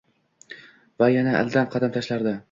Va yana ildam qadam tashlardi.